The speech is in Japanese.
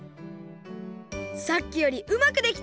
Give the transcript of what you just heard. さっきよりうまくできた！